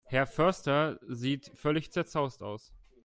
Herr Förster sieht völlig zerzaust aus.